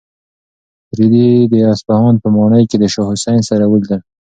رېدي د اصفهان په ماڼۍ کې د شاه حسین سره ولیدل.